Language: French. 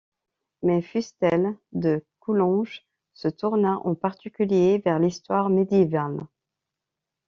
Mais Fustel de Coulanges se tourna en particulier vers l'histoire médiévale.